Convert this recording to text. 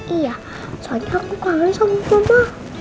iya soalnya aku kale sama mama